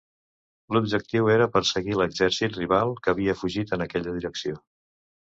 L'objectiu era perseguir l'exèrcit rival que havia fugit en aquella direcció.